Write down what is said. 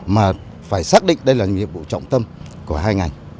mà phải xác định đây là nhiệm vụ trọng tâm của hai ngành